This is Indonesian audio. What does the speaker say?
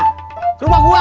ke rumah gua